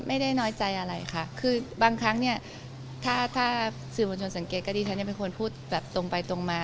ไม่ได้น้อยใจอะไรค่ะคือบางครั้งเนี่ยถ้าถ้าสื่อมวลชนสังเกตก็ดีฉันยังเป็นคนพูดแบบตรงไปตรงมา